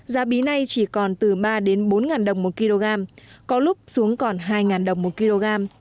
giá bí này chỉ còn từ ba bốn đồng một kg có lúc xuống còn hai đồng một kg